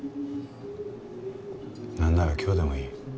なんなら今日でもいい。